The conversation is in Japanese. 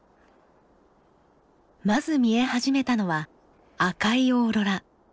まず見え始めたのは赤いオーロラ。